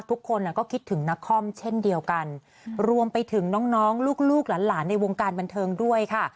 ทุกคนก็คิดถึงนักคอมเช่นเดียวกันรวมไปถึงน้องน้องลูกหลานในวงการบันเทิงด้วยค่ะ